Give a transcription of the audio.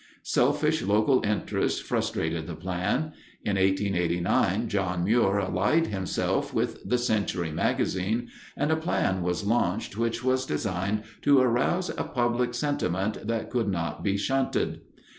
Selfish local interests frustrated the plan. In 1889, John Muir allied himself with the Century Magazine, and a plan was launched which was designed to arouse a public sentiment that could not be shunted.